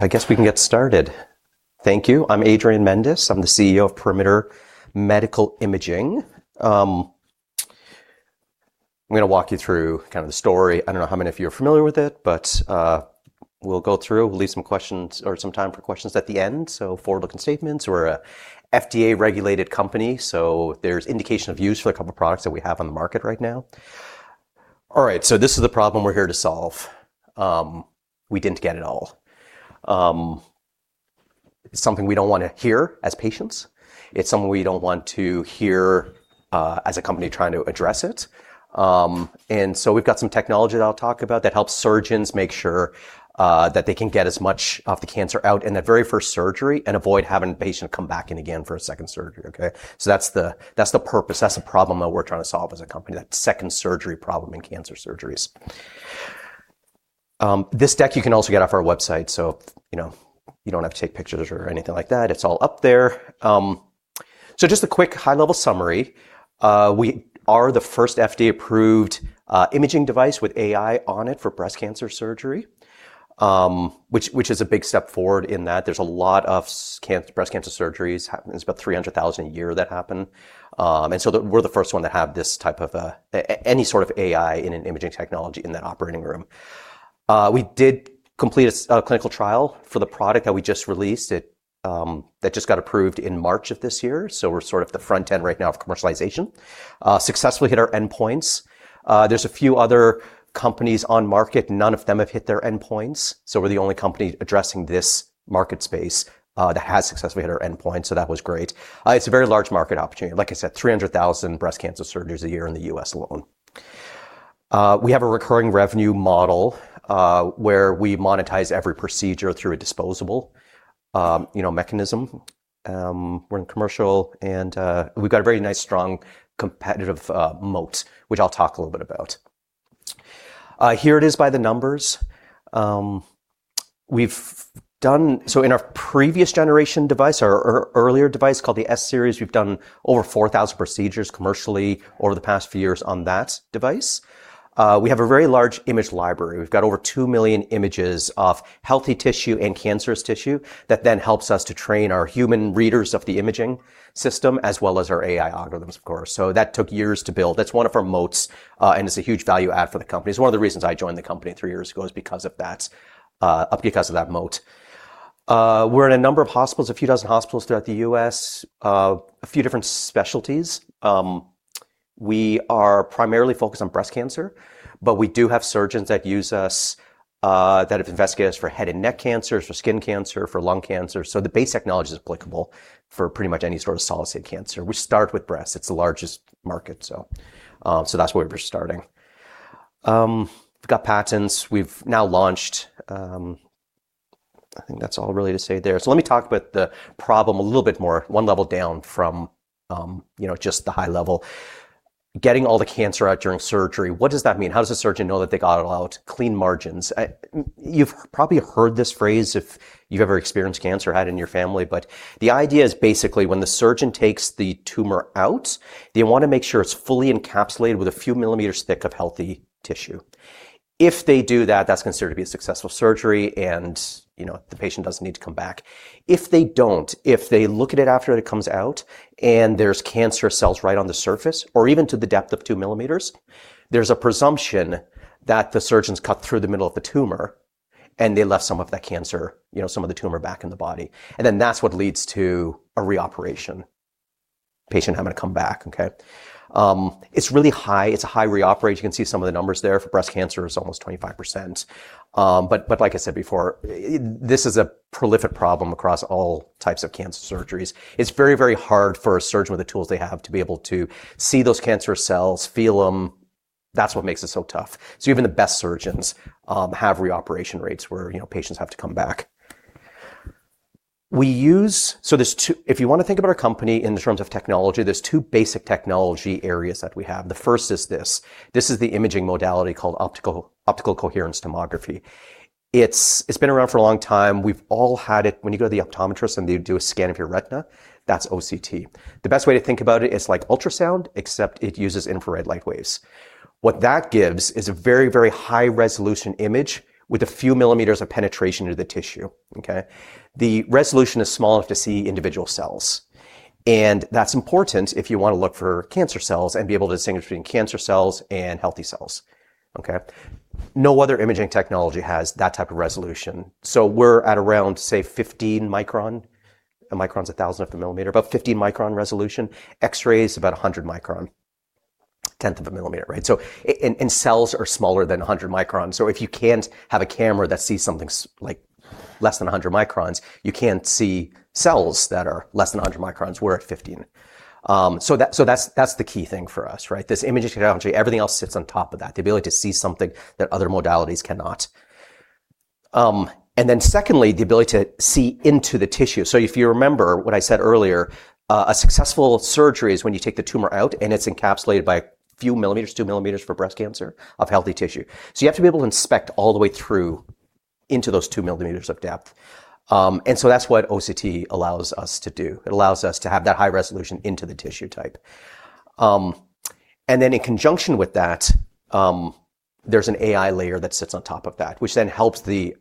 I guess we can get started. Thank you. I'm Adrian Mendes. I'm the CEO of Perimeter Medical Imaging AI. I'm going to walk you through the story. I don't know how many of you are familiar with it, but we'll go through. We'll leave some time for questions at the end. Forward-looking statements. We're a FDA-regulated company. There's indication of use for a couple of products that we have on the market right now. All right. This is the problem we're here to solve. We didn't get it all. It's something we don't want to hear as patients. It's something we don't want to hear as a company trying to address it. We've got some technology that I'll talk about that helps surgeons make sure that they can get as much of the cancer out in that very first surgery and avoid having the patient come back in again for a second surgery. Okay? That's the purpose. That's the problem that we're trying to solve as a company, that second surgery problem in cancer surgeries. This deck, you can also get off our website. You don't have to take pictures or anything like that. It's all up there. Just a quick high-level summary. We are the first FDA-approved imaging device with AI on it for breast cancer surgery, which is a big step forward in that there's a lot of breast cancer surgeries, about 300,000 a year that happen. We're the first one to have any sort of AI in an imaging technology in that operating room. We did complete a clinical trial for the product that we just released, that just got approved in March of this year. We're sort of the front end right now of commercialization. Successfully hit our endpoints. There's a few other companies on market, none of them have hit their endpoints. We're the only company addressing this market space that has successfully hit our endpoint. That was great. It's a very large market opportunity. Like I said, 300,000 breast cancer surgeries a year in the U.S. alone. We have a recurring revenue model, where we monetize every procedure through a disposable mechanism. We're in commercial. We've got a very nice, strong competitive moat, which I'll talk a little bit about. Here it is by the numbers. In our previous generation device, our earlier device called the S-Series, we've done over 4,000 procedures commercially over the past few years on that device. We have a very large image library. We've got over 2 million images of healthy tissue and cancerous tissue that then helps us to train our human readers of the imaging system as well as our AI algorithms, of course. That took years to build. That's one of our moats. It's a huge value add for the company. It's one of the reasons I joined the company three years ago is because of that moat. We're in a number of hospitals, a few dozen hospitals throughout the U.S., a few different specialties. We are primarily focused on breast cancer. We do have surgeons that use us, that have investigated us for head and neck cancers, for skin cancer, for lung cancer. The base technology is applicable for pretty much any sort of solid state cancer. We start with breast. It's the largest market, that's where we're starting. We've got patents. We've now launched. I think that's all really to say there. Let me talk about the problem a little bit more, one level down from just the high level. Getting all the cancer out during surgery, what does that mean? How does a surgeon know that they got it all out, clean margins? You've probably heard this phrase if you've ever experienced cancer or had it in your family. The idea is basically when the surgeon takes the tumor out, they want to make sure it's fully encapsulated with a few millimeters thick of healthy tissue. If they do that's considered to be a successful surgery and the patient doesn't need to come back. If they don't, if they look at it after it comes out and there's cancer cells right on the surface or even to the depth of 2 millimeters, there's a presumption that the surgeons cut through the middle of the tumor, and they left some of the tumor back in the body, and then that's what leads to a reoperation, patient having to come back. Okay? It's a high reoperate. You can see some of the numbers there. For breast cancer, it's almost 25%. Like I said before, this is a prolific problem across all types of cancer surgeries. It's very, very hard for a surgeon with the tools they have to be able to see those cancer cells, feel them. That's what makes it so tough. Even the best surgeons have reoperation rates where patients have to come back. If you want to think about our company in the terms of technology, there's two basic technology areas that we have. The first is this. This is the imaging modality called optical coherence tomography. It's been around for a long time. We've all had it. When you go to the optometrist and they do a scan of your retina, that's OCT. The best way to think about it's like ultrasound, except it uses infrared light waves. What that gives is a very, very high-resolution image with a few millimeters of penetration into the tissue. Okay? The resolution is small enough to see individual cells, and that's important if you want to look for cancer cells and be able to distinguish between cancer cells and healthy cells. Okay? No other imaging technology has that type of resolution. We're at around, say, 15 micron. A micron's a thousandth of a millimeter, about 15 micron resolution. X-ray is about 100 micron, tenth of a millimeter, right? Cells are smaller than 100 microns. If you can't have a camera that sees something less than 100 microns, you can't see cells that are less than 100 microns. We're at 15. That's the key thing for us, right? This imaging technology, everything else sits on top of that, the ability to see something that other modalities cannot. Secondly, the ability to see into the tissue. If you remember what I said earlier, a successful surgery is when you take the tumor out, and it's encapsulated by a few millimeters, 2 millimeters for breast cancer, of healthy tissue. You have to be able to inspect all the way through into those 2 millimeters of depth. That's what OCT allows us to do. It allows us to have that high resolution into the tissue type. In conjunction with that, there's an AI layer that sits on top of that, which then helps the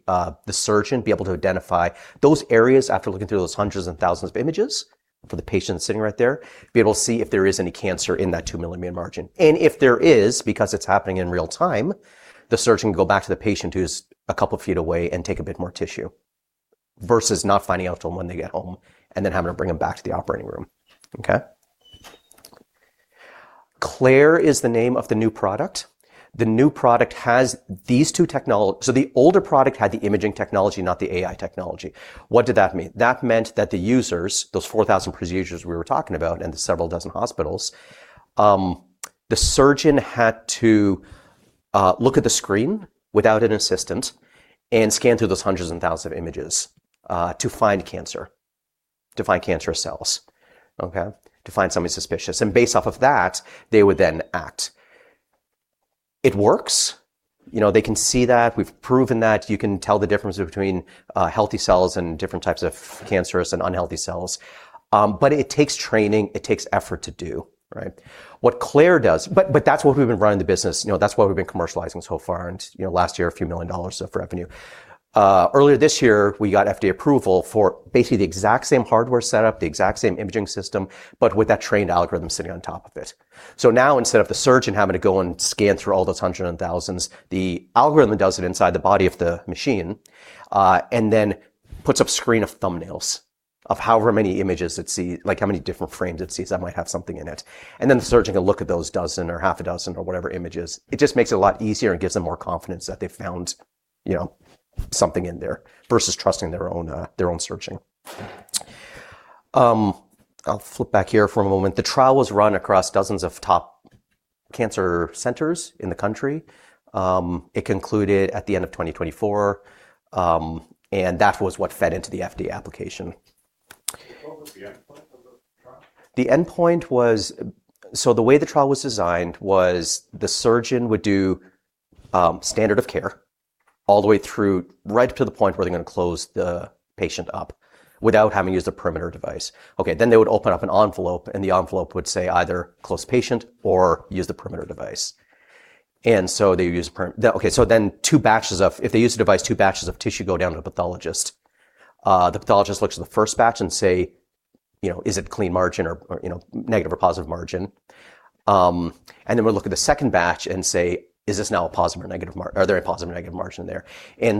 surgeon be able to identify those areas after looking through those hundreds and thousands of images for the patient sitting right there, be able to see if there is any cancer in that 2-millimeter margin. If there is, because it's happening in real-time, the surgeon can go back to the patient who's a couple feet away and take a bit more tissue, versus not finding out till when they get home and then having to bring them back to the operating room. Okay. Claire is the name of the new product. The older product had the imaging technology, not the AI technology. What did that mean? That meant that the users, those 4,000 procedures we were talking about and the several dozen hospitals, the surgeon had to look at the screen without an assistant and scan through those hundreds and thousands of images, to find cancer cells, okay. To find something suspicious. Based off of that, they would then act. It works. They can see that. We've proven that you can tell the difference between healthy cells and different types of cancerous and unhealthy cells, it takes training, it takes effort to do, right. That's what we've been running the business, that's what we've been commercializing so far. Last year, a few million dollars of revenue. Earlier this year, we got FDA approval for basically the exact same hardware setup, the exact same imaging system, but with that trained algorithm sitting on top of it. Now instead of the surgeon having to go and scan through all those hundreds and thousands, the algorithm does it inside the body of the machine, then puts up a screen of thumbnails of however many images it sees, like how many different frames it sees that might have something in it. The surgeon can look at those dozen or half a dozen or whatever images. It just makes it a lot easier and gives them more confidence that they've found something in there versus trusting their own searching. I'll flip back here for a moment. The trial was run across dozens of top cancer centers in the country. It concluded at the end of 2024, and that was what fed into the FDA application. What was the endpoint of the trial? The way the trial was designed was the surgeon would do standard of care all the way through, right to the point where they're going to close the patient up without having to use the Perimeter device. Then they would open up an envelope, and the envelope would say either, "Close patient," or, "Use the Perimeter device." So if they use the device, two batches of tissue go down to the pathologist. The pathologist looks at the first batch and say, "Is it clean margin or negative or positive margin?" Then would look at the second batch and say, "Are there a positive or negative margin there?"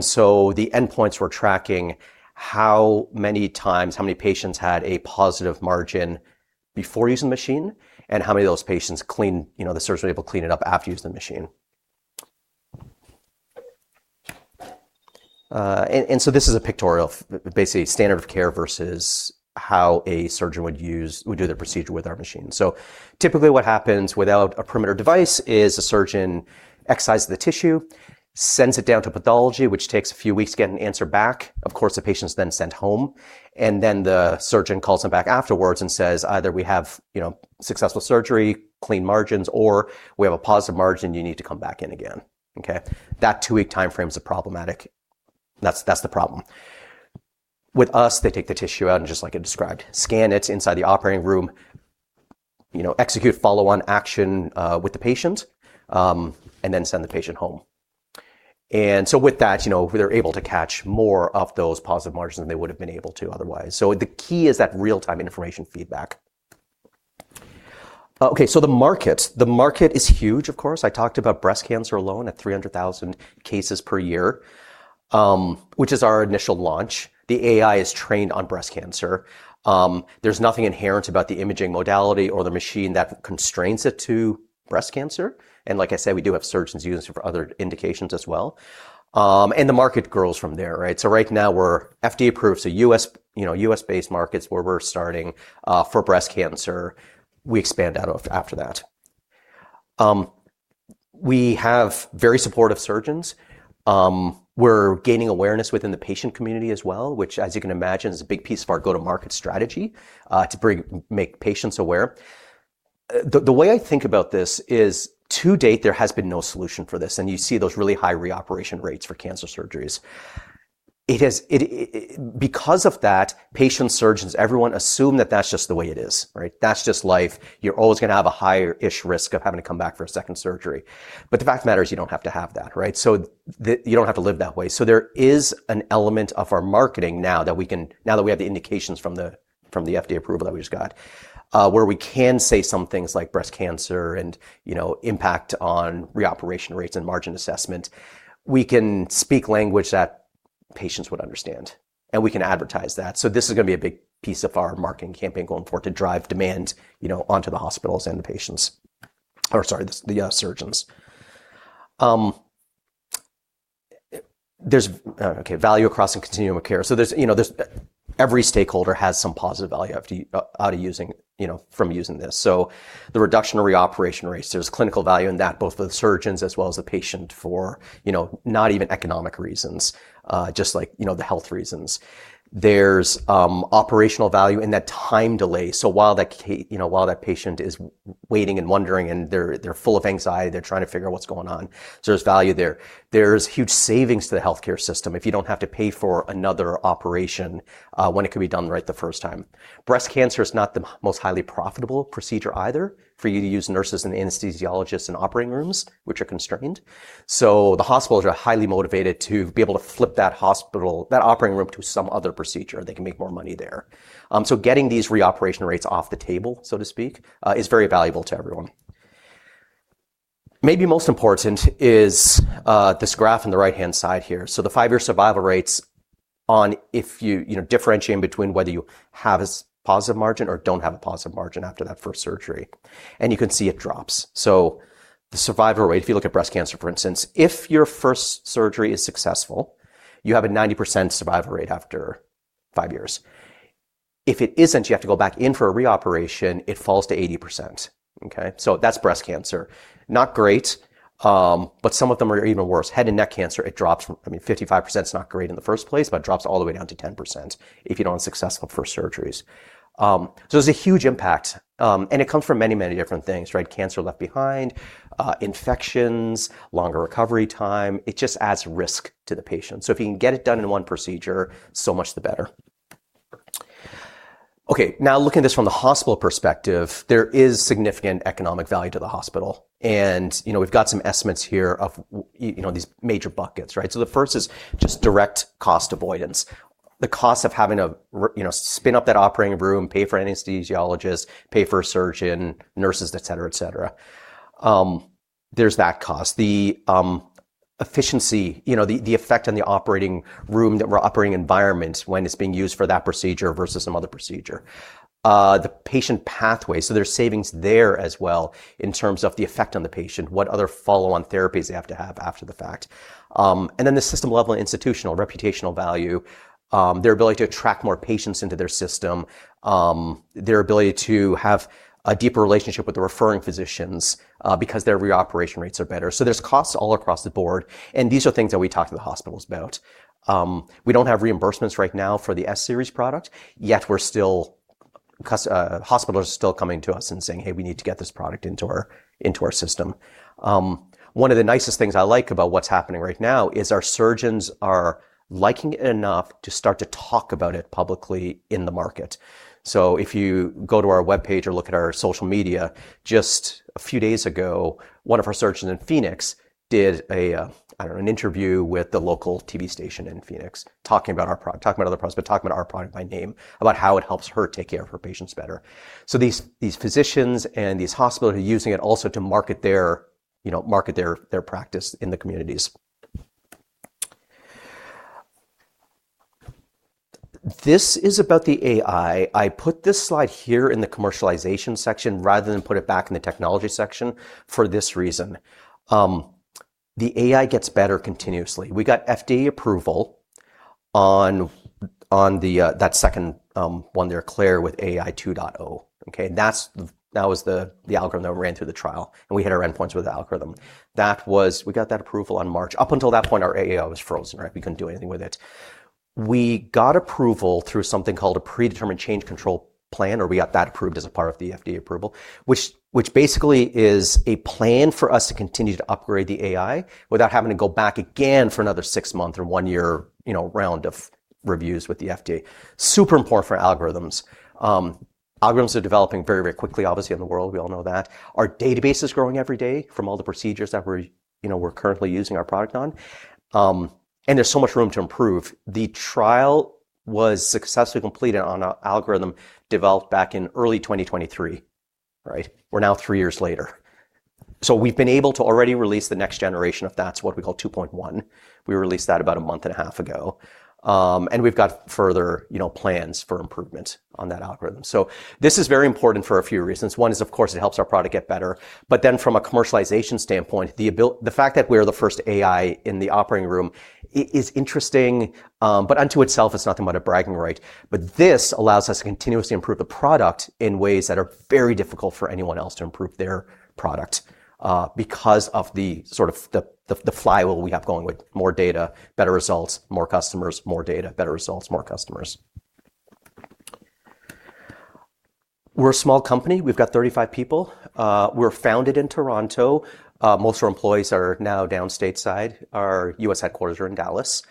So the endpoints were tracking how many times, how many patients had a positive margin before using the machine, and how many of those patients, the surgeon was able to clean it up after using the machine. So this is a pictorial, basically standard of care versus how a surgeon would do their procedure with our machine. Typically what happens without a Perimeter device is a surgeon excises the tissue, sends it down to pathology, which takes a few weeks to get an answer back. Of course, the patient's then sent home, then the surgeon calls them back afterwards and says either, "We have successful surgery, clean margins," or, "We have a positive margin. You need to come back in again." Okay. That two-week timeframe is problematic. That's the problem. With us, they take the tissue out and just like I described, scan it inside the operating room, execute follow-on action with the patient, then send the patient home. So with that, they're able to catch more of those positive margins than they would've been able to otherwise. The key is that real-time information feedback. The market. The market is huge, of course. I talked about breast cancer alone at 300,000 cases per year, which is our initial launch. The AI is trained on breast cancer. There's nothing inherent about the imaging modality or the machine that constrains it to breast cancer. Like I said, we do have surgeons using it for other indications as well. The market grows from there, right. Right now we're FDA approved, so U.S.-based markets where we're starting for breast cancer, we expand out after that. We have very supportive surgeons. We're gaining awareness within the patient community as well, which as you can imagine, is a big piece of our go-to-market strategy, to make patients aware. The way I think about this is to date, there has been no solution for this, and you see those really high reoperation rates for cancer surgeries. Because of that, patients, surgeons, everyone assume that that's just the way it is, right. That's just life. You're always going to have a higher-ish risk of having to come back for a second surgery. The fact of the matter is you don't have to have that, right. You don't have to live that way. There is an element of our marketing now that we have the indications from the FDA approval that we just got, where we can say some things like breast cancer and impact on reoperation rates and margin assessment. We can speak language that patients would understand, and we can advertise that. This is going to be a big piece of our marketing campaign going forward to drive demand onto the hospitals and the surgeons. There's value across the continuum of care. Every stakeholder has some positive value from using this. The reduction in reoperation rates, there's clinical value in that, both for the surgeons as well as the patient for not even economic reasons, just like the health reasons. There's operational value in that time delay. While that patient is waiting and wondering and they're full of anxiety, they're trying to figure out what's going on. There's value there. There's huge savings to the healthcare system if you don't have to pay for another operation when it could be done right the first time. Breast cancer is not the most highly profitable procedure either for you to use nurses and anesthesiologists in operating rooms, which are constrained. The hospitals are highly motivated to be able to flip that operating room to some other procedure. They can make more money there. Getting these reoperation rates off the table, so to speak, is very valuable to everyone. Maybe most important is this graph in the right-hand side here. The five-year survival rates on if you differentiate between whether you have a positive margin or don't have a positive margin after that first surgery, and you can see it drops. The survival rate, if you look at breast cancer, for instance, if your first surgery is successful, you have a 90% survival rate after five years. If it isn't, you have to go back in for a reoperation, it falls to 80%. Okay? That's breast cancer, not great, but some of them are even worse. Head and neck cancer, it drops. 55% is not great in the first place, but it drops all the way down to 10% if you don't have successful first surgeries. There's a huge impact, and it comes from many different things. Cancer left behind, infections, longer recovery time. It just adds risk to the patient. If you can get it done in one procedure, so much the better. Okay. Looking at this from the hospital perspective, there is significant economic value to the hospital, and we've got some estimates here of these major buckets. The first is just direct cost avoidance. The cost of having to spin up that operating room, pay for an anesthesiologist, pay for a surgeon, nurses, et cetera. There's that cost. The efficiency, the effect on the operating room, that operating environment when it's being used for that procedure versus some other procedure. The patient pathway. There's savings there as well in terms of the effect on the patient, what other follow-on therapies they have to have after the fact. Then the system-level institutional reputational value, their ability to attract more patients into their system. Their ability to have a deeper relationship with the referring physicians because their reoperation rates are better. There's costs all across the board, and these are things that we talk to the hospitals about. We don't have reimbursements right now for the S-Series product, yet hospitals are still coming to us and saying, "Hey, we need to get this product into our system." One of the nicest things I like about what's happening right now is our surgeons are liking it enough to start to talk about it publicly in the market. If you go to our webpage or look at our social media, just a few days ago, one of our surgeons in Phoenix did an interview with the local TV station in Phoenix talking about our product. Talking about other products, but talking about our product by name, about how it helps her take care of her patients better. These physicians and these hospitals are using it also to market their practice in the communities. This is about the AI. I put this slide here in the commercialization section rather than put it back in the technology section for this reason. The AI gets better continuously. We got FDA approval on that second one there, Claire with AI 2.0. Okay? That was the algorithm that we ran through the trial, and we hit our endpoints with the algorithm. We got that approval in March. Up until that point, our AI was frozen. We couldn't do anything with it. We got approval through something called a Predetermined Change Control Plan, or we got that approved as a part of the FDA approval, which basically is a plan for us to continue to upgrade the AI without having to go back again for another six month or one year round of reviews with the FDA. Super important for algorithms. Algorithms are developing very quickly, obviously, in the world. We all know that. Our database is growing every day from all the procedures that we're currently using our product on, and there's so much room to improve. The trial was successfully completed on an algorithm developed back in early 2023. We're now three years later. We've been able to already release the next generation of that, what we call 2.1. We released that about a month and a half ago. We've got further plans for improvement on that algorithm. This is very important for a few reasons. One is, of course, it helps our product get better. From a commercialization standpoint, the fact that we are the first AI in the operating room is interesting, but unto itself, it's nothing but a bragging right. This allows us to continuously improve the product in ways that are very difficult for anyone else to improve their product, because of the flywheel we have going with more data, better results, more customers, more data, better results, more customers. We're a small company. We've got 35 people. We were founded in Toronto. Most of our employees are now down stateside. Our U.S. headquarters are in Dallas.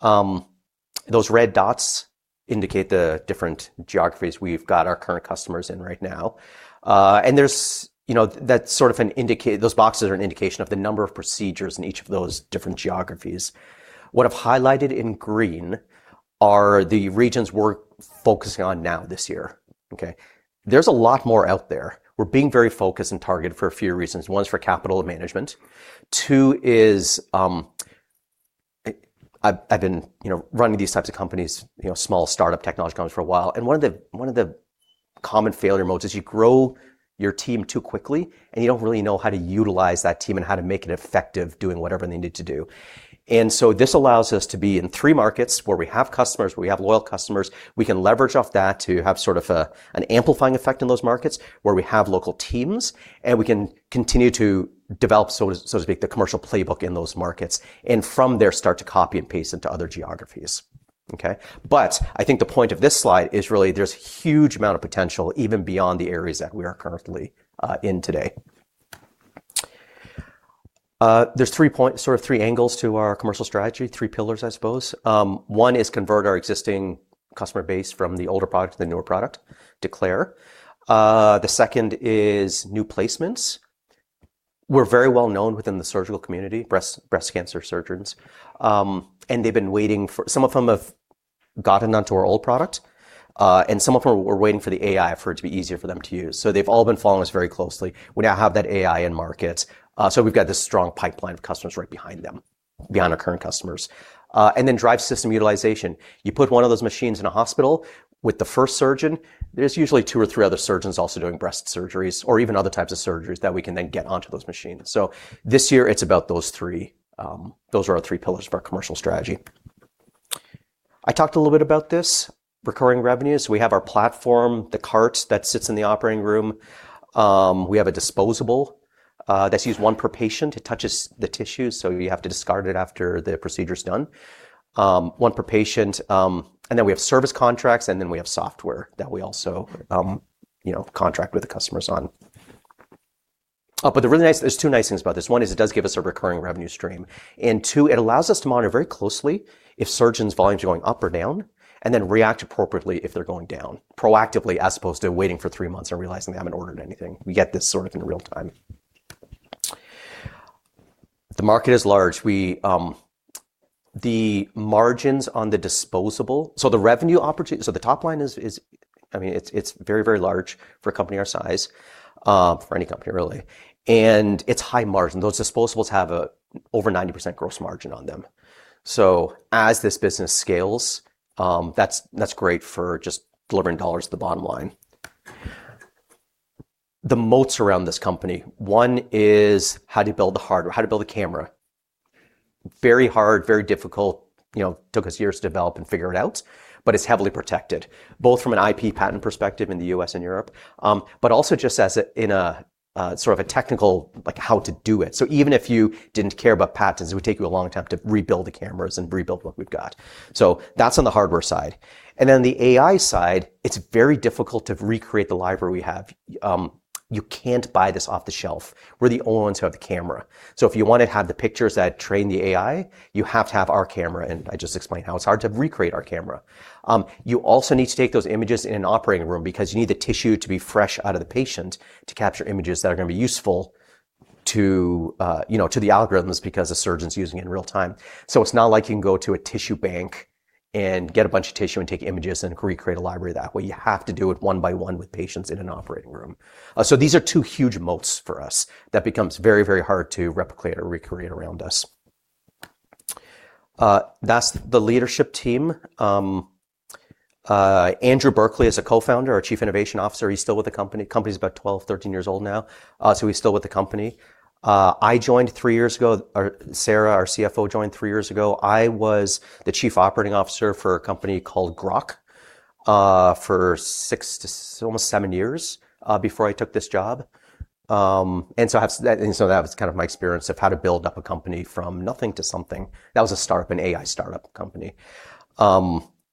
Those red dots indicate the different geographies we've got our current customers in right now. Those boxes are an indication of the number of procedures in each of those different geographies. What I've highlighted in green are the regions we're focusing on now this year. There's a lot more out there. We're being very focused and targeted for a few reasons. One is for capital management. Two is, I've been running these types of companies, small startup technology companies for a while, and one of the common failure modes is you grow your team too quickly, and you don't really know how to utilize that team and how to make it effective doing whatever they need to do. This allows us to be in three markets where we have customers, where we have loyal customers. We can leverage off that to have sort of an amplifying effect in those markets where we have local teams, and we can continue to develop, so to speak, the commercial playbook in those markets, and from there, start to copy and paste into other geographies. I think the point of this slide is really there's a huge amount of potential even beyond the areas that we are currently in today. There's three angles to our commercial strategy, three pillars, I suppose. One is convert our existing customer base from the older product to the newer product to Claire. The second is new placements. We're very well known within the surgical community, breast cancer surgeons, and some of them have gotten onto our old product, and some of them were waiting for the AI for it to be easier for them to use. They've all been following us very closely. We now have that AI in market, we've got this strong pipeline of customers right behind them, behind our current customers. Then drive system utilization. You put one of those machines in a hospital with the first surgeon, there's usually two or three other surgeons also doing breast surgeries or even other types of surgeries that we can then get onto those machines. This year it's about those three. Those are our three pillars of our commercial strategy. I talked a little bit about this, recurring revenues. We have our platform, the cart that sits in the operating room. We have a disposable that's used one per patient. It touches the tissue, so we have to discard it after the procedure's done. One per patient. Then we have service contracts, then we have software that we also contract with the customers on. There's two nice things about this. One is it does give us a recurring revenue stream. Two, it allows us to monitor very closely if surgeons' volumes are going up or down, then react appropriately if they're going down, proactively as opposed to waiting for three months and realizing they haven't ordered anything. We get this sort of in real time. The market is large. The margins on the disposable-- the top line, it's very, very large for a company our size, for any company really, and it's high margin. Those disposables have over 90% gross margin on them. As this business scales, that's great for just delivering dollars to the bottom line. The moats around this company. One is how do you build the hardware? How to build a camera. Very hard, very difficult. Took us years to develop and figure it out, but it's heavily protected, both from an IP patent perspective in the U.S. and Europe. Also just as in a technical, how to do it. Even if you didn't care about patents, it would take you a long time to rebuild the cameras and rebuild what we've got. That's on the hardware side. Then on the AI side, it's very difficult to recreate the library we have. You can't buy this off the shelf. We're the only ones who have the camera. If you want to have the pictures that train the AI, you have to have our camera, and I just explained how it's hard to recreate our camera. You also need to take those images in an operating room because you need the tissue to be fresh out of the patient to capture images that are going to be useful to the algorithms because the surgeon's using it in real time. It's not like you can go to a tissue bank and get a bunch of tissue and take images and recreate a library of that. You have to do it one by one with patients in an operating room. These are two huge moats for us that becomes very, very hard to replicate or recreate around us. That's the leadership team. Andrew Berkeley is a co-founder, our Chief Innovation Officer. He's still with the company. Company's about 12, 13 years old now. He's still with the company. I joined three years ago. Sara, our CFO, joined three years ago. I was the Chief Operating Officer for a company called Groq, for six to almost seven years, before I took this job. That was my experience of how to build up a company from nothing to something. That was an AI startup company.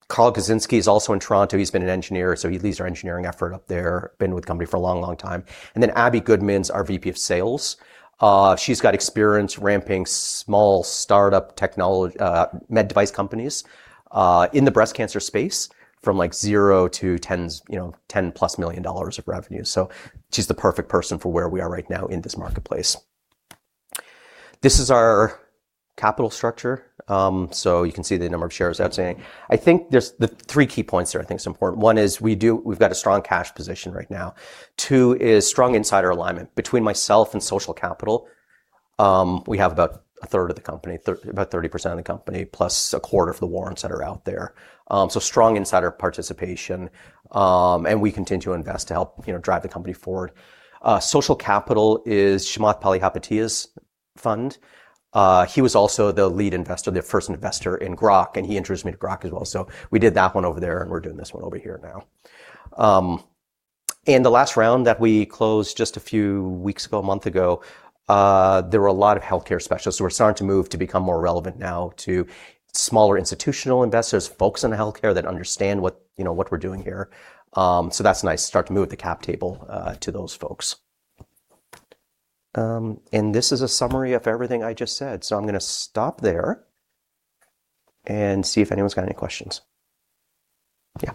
Carl Gazdzinski is also in Toronto. He's been an engineer, so he leads our engineering effort up there, been with the company for a long, long time. Abbey Goodman's our VP of Sales. She's got experience ramping small startup med device companies, in the breast cancer space from zero to 10+ million dollars of revenue. She's the perfect person for where we are right now in this marketplace. This is our capital structure. You can see the number of shares outstanding. I think there's three key points there I think is important. One is we've got a strong cash position right now. Two is strong insider alignment. Between myself and Social Capital, we have about a third of the company, about 30% of the company, plus a quarter of the warrants that are out there. Strong insider participation. We continue to invest to help drive the company forward. Social Capital is Chamath Palihapitiya's fund. He was also the lead investor, the first investor in Groq, and he introduced me to Groq as well. We did that one over there, and we're doing this one over here now. In the last round that we closed just a few weeks ago, a month ago, there were a lot of healthcare specialists who are starting to move to become more relevant now to smaller institutional investors, folks in the healthcare that understand what we're doing here. That's nice to start to move the cap table, to those folks. This is a summary of everything I just said. I'm going to stop there and see if anyone's got any questions. Yeah.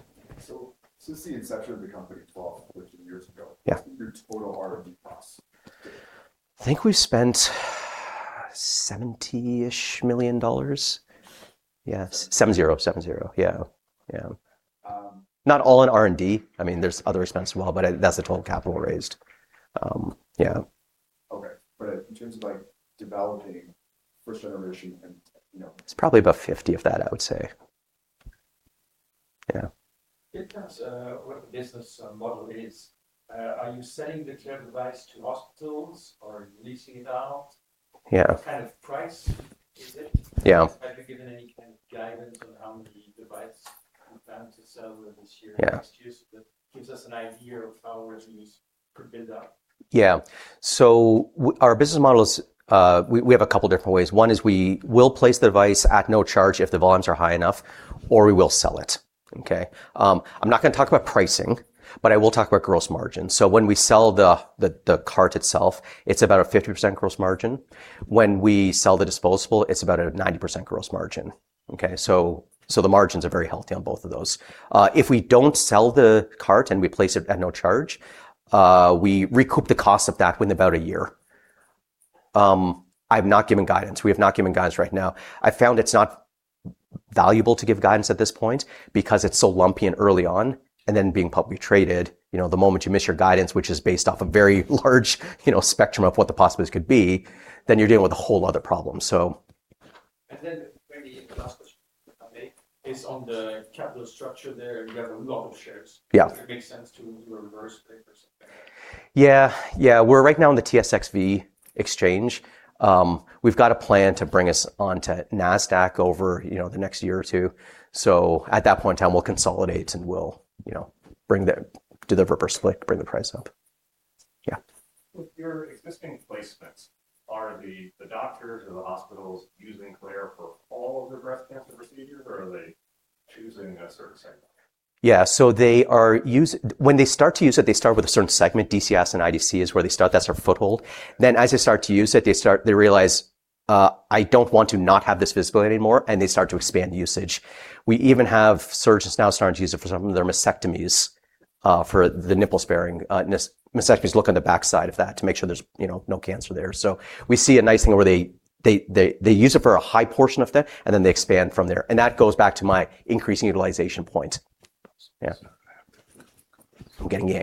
Since the inception of the company 12-13 years ago. Yeah. What's been your total R&D cost? I think we've spent 70-ish million dollars. Yeah. 7-0? 7-0. Yeah. Okay. Not all in R&D. There's other expense as well, but that's the total capital raised. Yeah. Okay. In terms of developing first generation and, you know. It's probably about 50 of that, I would say. Yeah. In terms what the business model is, are you selling the Claire device to hospitals or leasing it out? Yeah. What kind of price is it? Yeah. Have you given any kind of guidance on how many devices you plan to sell this year? Yeah. Next year? That gives us an idea of how revenues could build up. Our business model is, we have a couple different ways. One is we will place the device at no charge if the volumes are high enough or we will sell it. Okay? I'm not going to talk about pricing, but I will talk about gross margin. When we sell the cart itself, it's about a 50% gross margin. When we sell the disposable, it's about a 90% gross margin. Okay? The margins are very healthy on both of those. If we don't sell the cart and we place it at no charge, we recoup the cost of that within about a year. I've not given guidance. We have not given guidance right now. I've found it's not valuable to give guidance at this point because it's so lumpy and early on, being publicly traded, the moment you miss your guidance, which is based off a very large spectrum of what the possibilities could be, you're dealing with a whole other problem. Maybe the last question I make is on the capital structure there, you have a lot of shares. Yeah. Does it make sense to reverse split or something like that? Yeah. We're right now on the TSXV exchange. We've got a plan to bring us onto NASDAQ over the next year or two. At that point in time, we'll consolidate and we'll do the reverse split, bring the price up. With your existing placements, are the doctors or the hospitals using Claire for all of their breast cancer procedures or are they choosing a certain segment? Yeah, when they start to use it, they start with a certain segment, DCIS and IDC is where they start. That's our foothold. As they start to use it, they realize, "I don't want to not have this visibility anymore," and they start to expand usage. We even have surgeons now starting to use it for some of their mastectomies, for the nipple-sparing mastectomies. Look on the backside of that to make sure there's no cancer there. We see a nice thing where they use it for a high portion of that, and they expand from there. That goes back to my increasing utilization point. Yeah. It's not going to happen. I'm getting-